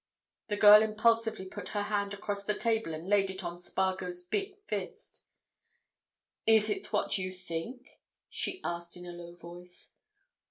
The girl impulsively put her hand across the table and laid it on Spargo's big fist. "Is it what you think?" she asked in a low voice.